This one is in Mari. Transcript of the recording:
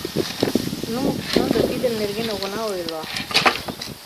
Ну, ынде тидын нерген огына ойло...